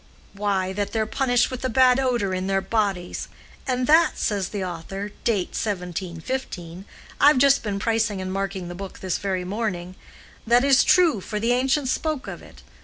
Why, that they're punished with a bad odor in their bodies; and that, says the author, date 1715 (I've just been pricing and marking the book this very morning)—that is true, for the ancients spoke of it.